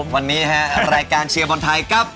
วันนี้นะฮะรายการเชียร์บอลไทยกับ